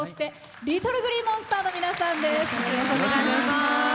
ＬｉｔｔｌｅＧｌｅｅＭｏｎｓｔｅｒの皆さんです。